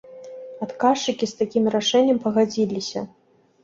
Адказчыкі з такім рашэннем пагадзіліся.